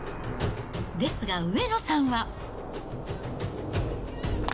ですが、上野さんは。